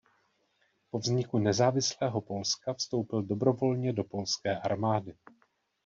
Po vzniku nezávislého Polska vstoupil dobrovolně do polské armády.